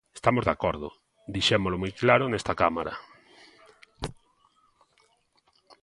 Estamos de acordo, dixémolo moi claro nesta Cámara.